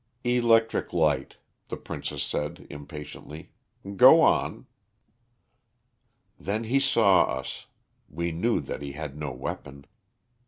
"Electric light," the princess said impatiently. "Go on." "Then he saw us. We knew that he had no weapon.